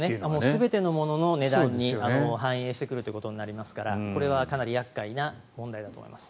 全ての物の値段に反映してくるということになりますからこれはかなり厄介な問題だと思います。